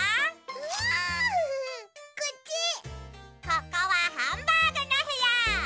ここはハンバーグのへや！